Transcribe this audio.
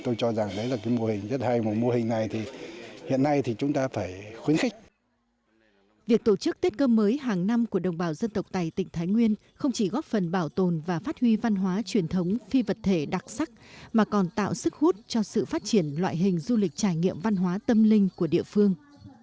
tổ chức tết cơm mới hàng năm của đồng bào dân tộc tây tỉnh thái nguyên không chỉ góp phần bảo tồn và phát huy văn hóa truyền thống phi vật thể đặc sắc mà còn tạo sức hút cho sự phát triển loại hình du lịch trải nghiệm văn hóa tâm linh của địa phương